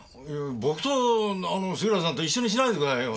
僕と杉浦さんと一緒にしないでくださいよ。